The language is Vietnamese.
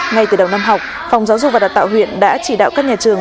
ngay từ đầu năm học phòng giáo dục và đào tạo huyện đã chỉ đạo các nhà trường